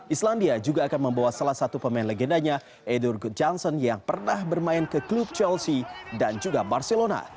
islandia juga akan membawa salah satu pemain legendanya edhur good johnson yang pernah bermain ke klub chelsea dan juga barcelona